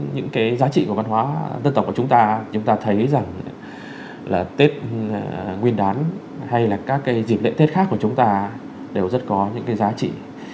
những cái giá trị của văn hóa dân tộc của chúng ta chúng ta thấy rằng là tết nguyên đán hay là các cái dịp lễ tết khác của chúng ta đều rất có những cái giá trị